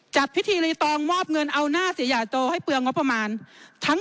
จัดพิธีในตองมอบเงินเอาหน้าเสียหยาโจให้เปลืองงบประมาณ